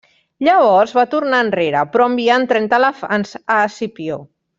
Llavors va tornar enrere però enviant trenta elefants a Escipió.